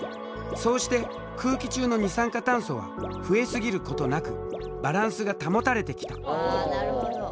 そうして空気中の二酸化炭素は増え過ぎることなくバランスが保たれてきた。